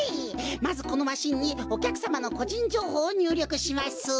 まずこのマシンにおきゃくさまのこじんじょうほうをにゅうりょくします。